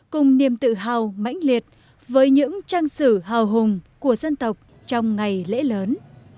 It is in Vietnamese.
cùng niềm tự hào mãnh liệt với những trang sử hào hùng của dân tộc trong ngày lễ lớn